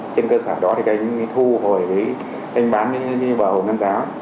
trên cơ sở đó thì anh thu hồi anh bán như bảo ngân giáo